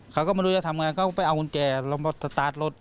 เขาก็ไม่รู้จะทำยังไงก็ไปเอาหุ้นแจลงไปสตาร์ทรถ